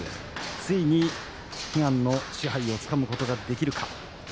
ついに悲願の賜盃をつかむことができるか。